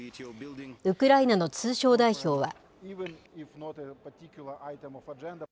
ウクライナの通商代表は。